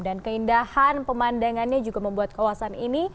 dan keindahan pemandangannya juga membuat kawasan ini